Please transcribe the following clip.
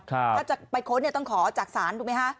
ถ้าจะไปค้นต้องขอจากศาลถูกไหมฮะ